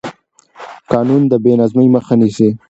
قانون د بې نظمۍ مخه نیسي